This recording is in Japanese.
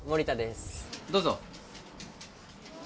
どうぞ。